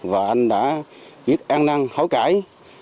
và anh đã biết an năng hối cãi